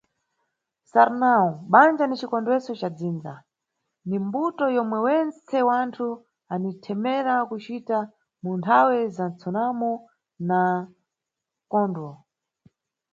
Sarnau, banja ni cikondweso ca dzinza, ni mbuto yomwe wentse wanthu anithemera kucira mu nthawe za msunamo na mkondwo.